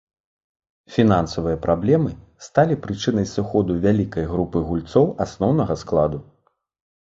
Фінансавыя праблемы сталі прычынай сыходу вялікай групы гульцоў асноўнага складу.